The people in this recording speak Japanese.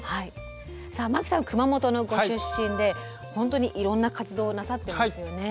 さあ巻さんは熊本のご出身で本当にいろんな活動をなさってますよね。